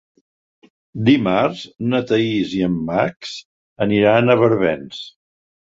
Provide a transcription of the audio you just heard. Dimarts na Thaís i en Max aniran a Barbens.